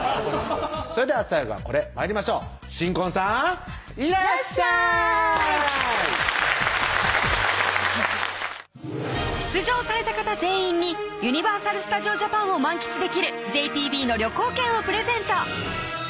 それでは最後はこれ参りましょう新婚さんいらっしゃい出場された方全員にユニバーサル・スタジオ・ジャパンを満喫できるＪＴＢの旅行券をプレゼント